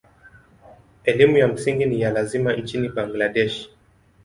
Elimu ya msingi ni ya lazima nchini Bangladesh.